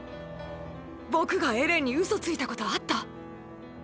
僕がエレンにウソついたことあった？